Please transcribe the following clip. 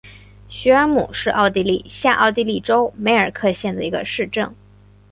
许尔姆是奥地利下奥地利州梅尔克县的一个市镇。